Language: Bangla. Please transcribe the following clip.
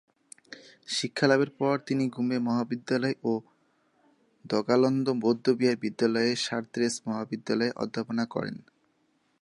শিক্ষালাভের পর তিনি গ্যুমে মহাবিদ্যালয় ও দ্গা'-ল্দান বৌদ্ধবিহার বিশ্ববিদ্যালয়ের শার-র্ত্সে মহাবিদ্যালয়ে অধ্যাপনা করেন।